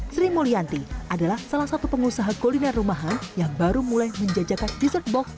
sri mulyanti adalah salah satu pengusaha kuliner rumahan yang baru mulai menjajakan dessert box